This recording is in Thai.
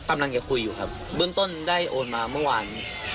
กำลังจะคุยอยู่ครับเบื้องต้นได้โอนมาเมื่อวาน